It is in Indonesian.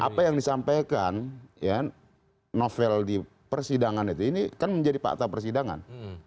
apa yang disampaikan novel di persidangan itu ini kan menjadi fakta persidangan